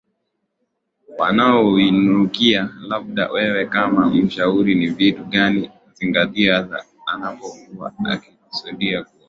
Wanaoinukia labda wewe kama unamshauri ni vitu gani azingatie hasa anapokuwa anakusudia kuwa